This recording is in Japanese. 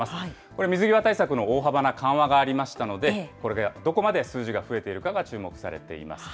これ、水際対策の大幅な緩和がありましたので、これがどこまで数字が増えているかが注目されています。